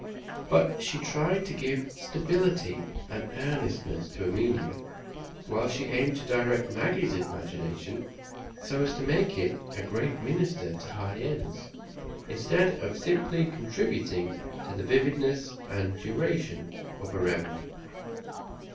But she tried to give stability and earnestness to Erminia; while she aimed to direct Maggie's imagination, so as to make it a great minister to high ends, instead of simply contributing to the vividness and duration of a reverie.